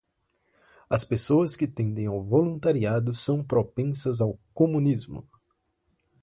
As pessoas que tendem ao voluntariado são propensas ao comunismo